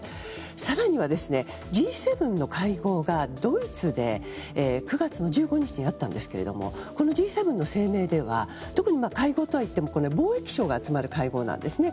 更には、Ｇ７の会合がドイツで９月の１５日にあったんですけどもＧ７の声明では特に会合とはいっても貿易相が集まる会合なんですね。